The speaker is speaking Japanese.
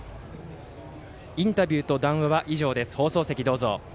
インタビューと談話は以上です。